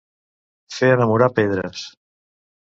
Fer enamorar pedres.